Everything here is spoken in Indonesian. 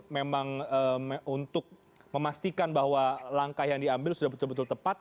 memang untuk memastikan bahwa langkah yang diambil sudah betul betul tepat